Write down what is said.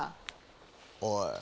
おい。